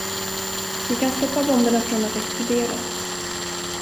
Vi kan stoppa bomberna från att explodera.